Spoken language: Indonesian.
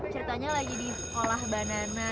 ceritanya lagi di sekolah banana